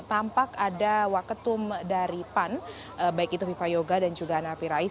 tampak ada waketum dari pan baik itu viva yoga dan juga hanafi rais